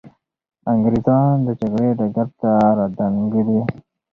انګریزان د جګړې ډګر ته را دانګلي.